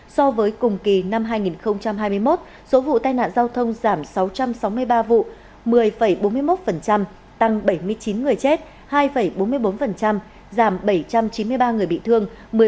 so với cùng kỳ năm hai nghìn hai mươi một số vụ tai nạn giao thông giảm sáu trăm sáu mươi ba vụ một mươi bốn mươi một tăng bảy mươi chín người chết hai bốn mươi bốn giảm bảy trăm chín mươi ba người bị thương một mươi bảy sáu mươi chín